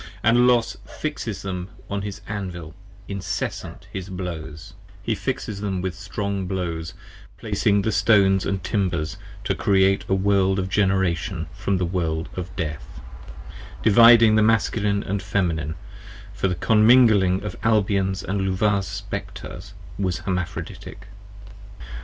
And Los fixes them on his Anvil, incessant his blows: He fixes them with strong blows, placing the stones & timbers To Create a World of Generation from the World of Death : Dividing the Masculine & Feminine: for the comingling 20 Of Albion's & Luvah's Spectres was Hermaphroditic.